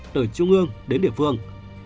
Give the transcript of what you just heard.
từ trung ương đến địa phương